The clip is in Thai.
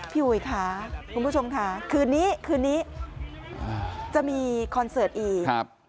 อุ๋ยค่ะคุณผู้ชมค่ะคืนนี้คืนนี้จะมีคอนเสิร์ตอีก